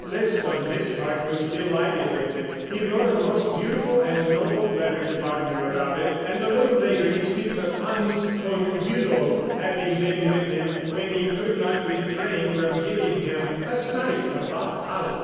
Liszt, on his part, was delighted with it. He wrote a most beautiful and noble letter to Wagner about it, and a little later he speaks of Hans von Bülow having been with him, when he could not refrain from giving him "a sight of Walhalla."